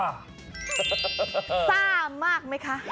ซ่ามากไหมคะ